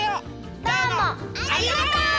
どうもありがとう！